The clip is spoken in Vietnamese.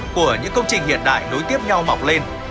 của những công trình hiện đại đối tiếp nhau mọc lên